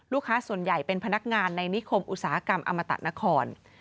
ส่วนใหญ่เป็นพนักงานในนิคมอุตสาหกรรมอมตะนคร